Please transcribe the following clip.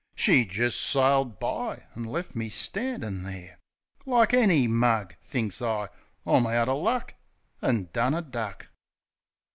She jist sailed by an' lef me standin' there Like any mug. Thinks I, "I'm out er luck," An' done a duck.